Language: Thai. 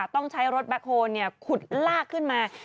ต้องใช้รถแบ็คโฮลขุดลากขึ้นมา